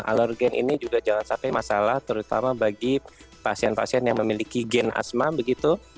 alergen ini juga jangan sampai masalah terutama bagi pasien pasien yang memiliki gen asma begitu